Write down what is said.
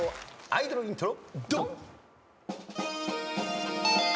アイドルイントロ。